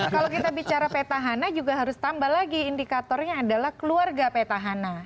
kalau kita bicara petahana juga harus tambah lagi indikatornya adalah keluarga petahana